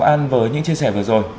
cảm ơn ông an với những chia sẻ vừa rồi